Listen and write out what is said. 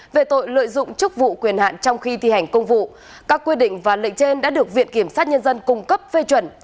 về tội lợi dụng chức vụ quyền hạn trong khi thi hành công vụ các quy định và lệnh trên đã được viện kiểm sát nhân dân cung cấp phê chuẩn